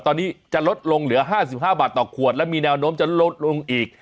ตอนนี้จะลดลงเหลือ๕๕บาทต่อขวดและมีแนวโน้มจะลดลงอีก